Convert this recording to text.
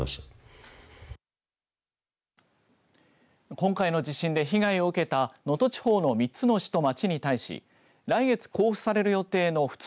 今回の地震で被害を受けた能登地方の３つの市と町に対し来月交付される予定の普通